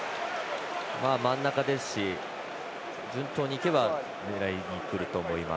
真ん中ですし順調に行けば狙いにくると思います。